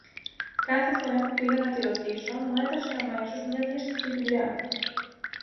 Κάθε φορά που πήγα να τη ρωτήσω μου έδωσε αμέσως μια βιαστική δουλειά.